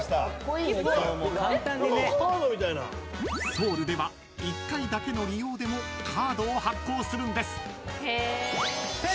［ソウルでは１回だけの利用でもカードを発行するんです］